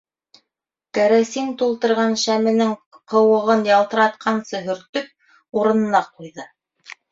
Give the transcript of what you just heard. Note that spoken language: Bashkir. Кәрәсин тултырған шәменең ҡыуығын ялтыратҡансы һөртөп, урынына ҡуйҙы.